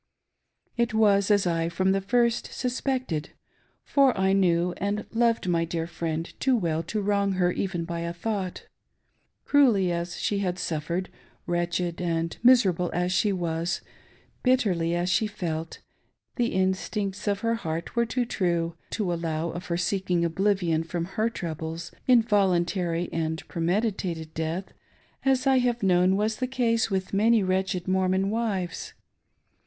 It was as I from the first suspected — for I knew and loved my dear friend too well to wrong her even by a thought Cruelly as she had suffered, wretched and miserable as she was, bit terly as she felt, the instincts of her heart were too true and her nature too noble to allow of her seeking oblivion from her troubles in voluntary and premeditated death, as I have known was the case with many wretched Mormon wives.